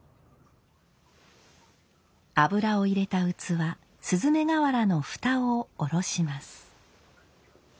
油を入れた器雀瓦の蓋を下ろします。